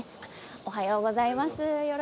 おはようございます。